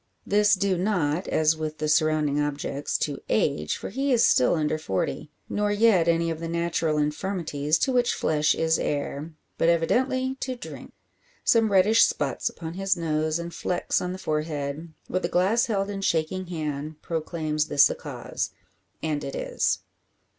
This due not, as with the surrounding objects, to age; for he is still under forty. Nor yet any of the natural infirmities to which flesh is heir; but evidently to drink. Some reddish spots upon his nose and flecks on the forehead, with the glass held in shaking hand, proclaims this the cause. And it is.